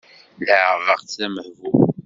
Leɛbeɣ-tt d amehbul.